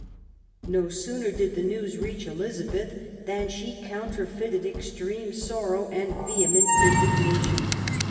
No sooner did the news reach Elizabeth than she counterfeited extreme sorrow, and vehement indig nation.